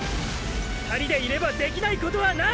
２人でいればできないことはない！